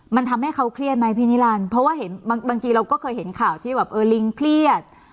มันทำให้เขาเครียดไหมพี่นิรันดิ์เพราะว่าเห็นบางทีเราก็เคยเห็นข่าวที่แบบเออลิงเครียด